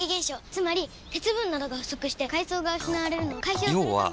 つまり鉄分などが不足して藻が失われるのを解消するためにつだけだよ